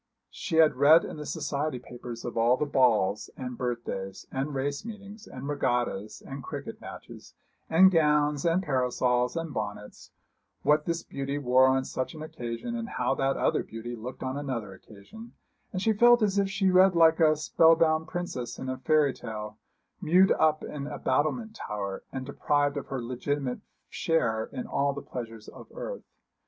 She had read in the society papers of all the balls, and birthdays, and race meetings, and regattas, and cricket matches, and gowns, and parasols, and bonnets what this beauty wore on such an occasion, and how that other beauty looked on another occasion and she felt as she read like a spell bound princess in a fairy tale, mewed up in a battlemented tower, and deprived of her legitimate share in all the pleasures of earth.